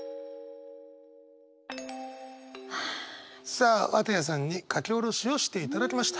さあ綿矢さんに書き下ろしをしていただきました。